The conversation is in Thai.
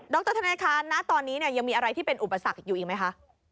ดรธเนธค่ะณตอนนี้ยังมีอะไรที่เป็นอุปสรรคอยู่อีกไหมคะ